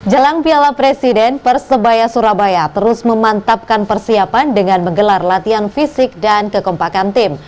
jelang piala presiden persebaya surabaya terus memantapkan persiapan dengan menggelar latihan fisik dan kekompakan tim